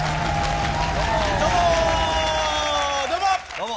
どうも。